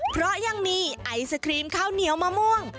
เพราะยังมีไอศครีมข้าวเหนียวมะม่วง